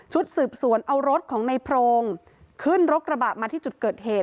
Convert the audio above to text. สืบสวนเอารถของในโพรงขึ้นรถกระบะมาที่จุดเกิดเหตุ